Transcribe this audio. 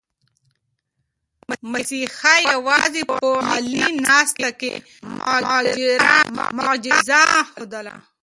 مسیحا یوازې په غلې ناسته کې معجزه ښودله.